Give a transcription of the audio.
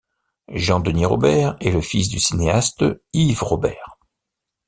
Jean-Denis Robert est le fils du cinéaste Yves Robert.